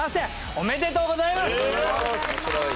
おめでとうございます。